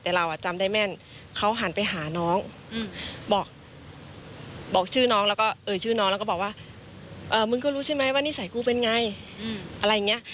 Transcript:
แต่เราจำได้แม่นเขาหันไปหาน้องบอกชื่อน้องแล้วก็เอ่ยชื่อน้องแล้วก็บอกว่ามึงก็รู้ใช่ไหมว่านิสัยกูเป็นไงอะไรอย่างนี้